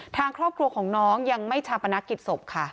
ทางครอบครัวของน้องยังไม่ชาปนกิจศพค่ะ